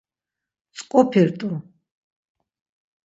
Mtzǩupirt̆u.